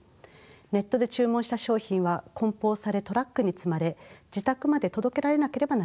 ネットで注文した商品は梱包されトラックに積まれ自宅まで届けられなければなりません。